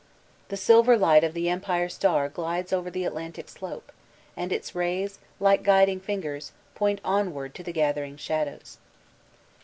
The silver light of the Empire Star glides over the Atlantic slope, and its rays, like guidiqg fingers, point onward to the gathering shadows.